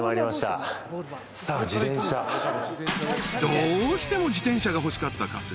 ［どうしても自転車が欲しかった春日］